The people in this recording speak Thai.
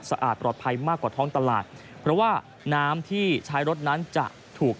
ปลอดภัยมากกว่าท้องตลาดเพราะว่าน้ำที่ใช้รถนั้นจะถูก